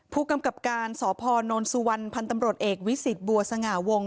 ผู้กำกับการสพนสุวรรณพันธ์ตำรวจเอกวิสิตบัวสง่าวง